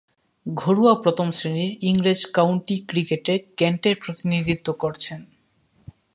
ঘরোয়া প্রথম-শ্রেণীর ইংরেজ কাউন্টি ক্রিকেটে কেন্টের প্রতিনিধিত্ব করেছেন।